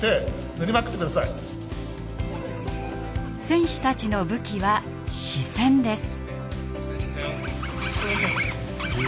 選手たちの武器は「視線」です。